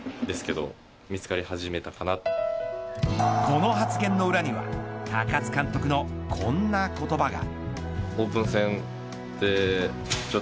この発言の裏に高津監督のこんな言葉が。